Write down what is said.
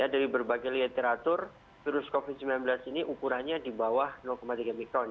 dari berbagai literatur virus covid sembilan belas ini ukurannya di bawah tiga mikron